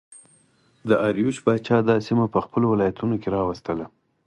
داریوش پاچا دا سیمه په خپلو ولایتونو کې راوستله